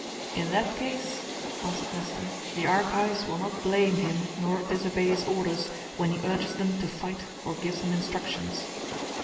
"In that case," answered Nestor, "the Argives will not blame him nor disobey his orders when he urges them to fight or gives them instructions."